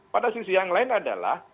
pada sisi yang lain adalah